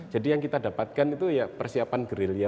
jadi yang kita dapatkan itu persiapan gerilya